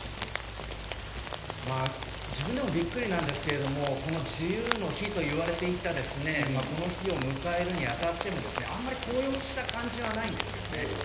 自分でもびっくりなんですけれども自由の日といわれていたこの日を迎えるに当たってもあんまり高揚した感じはないんですよね。